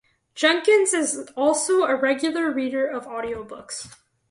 Jenkins is also a regular reader of Audio Books.